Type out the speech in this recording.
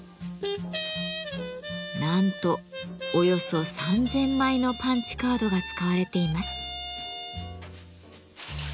なんとおよそ３，０００枚のパンチカードが使われています。